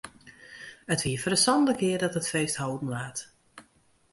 It wie foar de sânde kear dat it feest hâlden waard.